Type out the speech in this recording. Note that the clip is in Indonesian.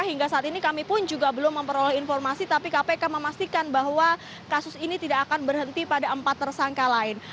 hingga saat ini kami pun juga belum memperoleh informasi tapi kpk memastikan bahwa kasus ini tidak akan berhenti pada empat tersangka lain